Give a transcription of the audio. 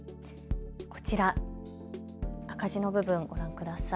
こちら、赤字の部分ご覧ください。